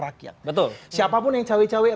rakyat betul siapapun yang cewek cewek